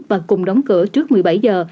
và cùng đóng cửa trước một mươi bảy h